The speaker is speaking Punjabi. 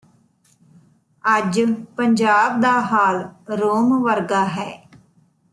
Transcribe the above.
ਅੱਜ ਪੰਜਾਬ ਦਾ ਹਾਲ ਰੋਮ ਵਰਗਾ ਹੈ